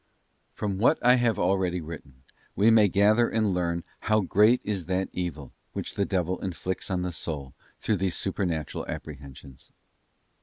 From what I have already written, we may gather andlearn how great is that evil which the devil inflicts on the soul through these Supernatural Apprehensions.